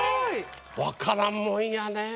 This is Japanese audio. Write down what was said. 分からんもんやねぇ。